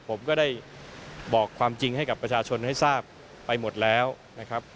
ผมก็ได้บอกความจริงให้กับประชาชนให้ทราบไปหมดแล้วนะครับ